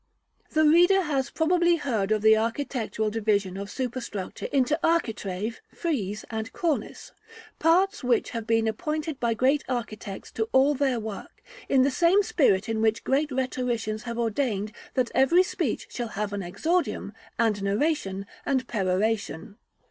The reader has probably heard of the architectural division of superstructure into architrave, frieze, and cornice; parts which have been appointed by great architects to all their work, in the same spirit in which great rhetoricians have ordained that every speech shall have an exordium, and narration, and peroration.